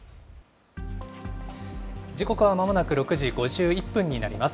時刻はまもなく６時５１分になります。